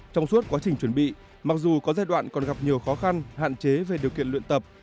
trong suốt quá trình chuẩn bị mặc dù có giai đoạn còn gặp nhiều khó khăn hạn chế về điều kiện luyện tập